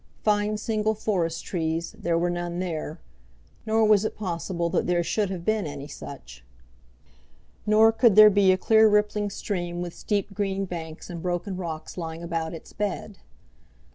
Fine single forest trees there were none there, nor was it possible that there should have been any such. Nor could there be a clear rippling stream with steep green banks, and broken rocks lying about its bed.